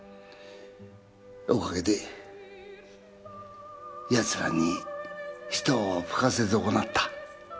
おかげで奴らに一泡吹かせ損なった。